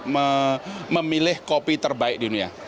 dan memilih kopi terbaik di dunia